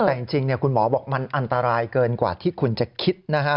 แต่จริงคุณหมอบอกมันอันตรายเกินกว่าที่คุณจะคิดนะฮะ